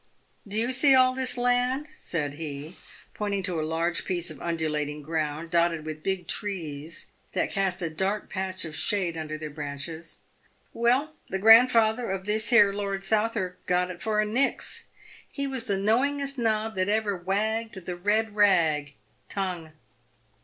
"Do you see all this land?" said he, pointing to a large piece of undulating ground, dotted with big trees that cast a dark patch of shade under their branches —" well, the grandfather of this here Lord South wark got it for ' nix.' He was the knowingest ' nob' that ever wagged the ' red rag' (tongue).